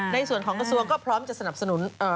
ในส่วนของกระทรวงก็พร้อมจะสนับสนุน